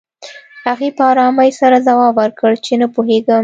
هغې په ارامۍ سره ځواب ورکړ چې نه پوهېږم